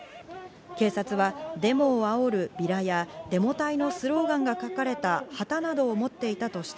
警察はデモをあおるビラやデモ隊のスローガンが書かれた旗などを持っていたとして、